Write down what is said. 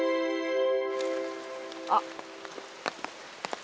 あっ！